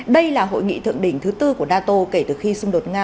đây là hội nghị thượng đỉnh thứ tư của nato kể từ khi xung đột nga